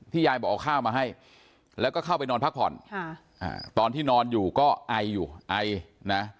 ยายบอกเอาข้าวมาให้แล้วก็เข้าไปนอนพักผ่อนตอนที่นอนอยู่ก็ไออยู่ไอนะ